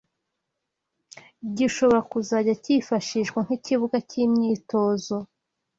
gishobora kuzajya cyifashishwa nk’ikibuga cy’imyitozo